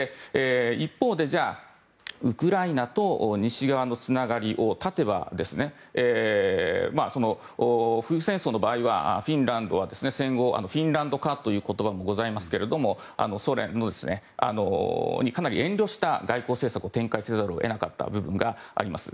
一方でウクライナと西側のつながりを断てば冬戦争の場合はフィンランドは、戦後フィンランド化という言葉もございますがソ連にかなり遠慮した外交政策を展開せざるを得なかった部分があります。